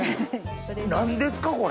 何ですかこれ。